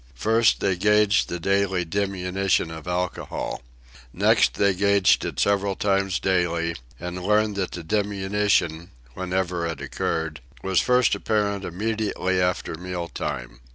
First, they gauged the daily diminution of alcohol. Next they gauged it several times daily, and learned that the diminution, whenever it occurred, was first apparent immediately after meal time.